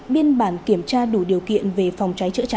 biên bản kiểm tra đủ điều kiện